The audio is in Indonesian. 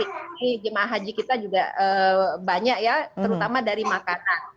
ini jemaah haji kita juga banyak ya terutama dari makanan